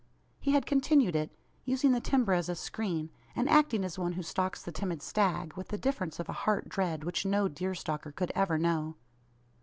He had continued it using the timber as a screen, and acting as one who stalks the timid stag, with the difference of a heart dread which no deer stalker could ever know.